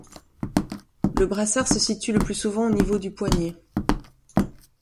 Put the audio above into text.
Le brassard se situe le plus souvent au niveau du poignet.